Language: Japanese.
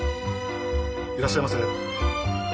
いらっしゃいませ。